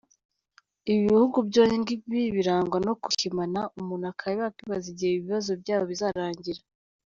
Ibi bihugu byombi birangwa no guhimana, umuntu akaba yakwibaza igihe ibibazo byabyo bizarangirira